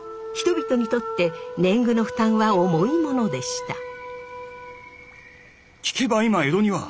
人々にとって年貢の負担は重いものでした。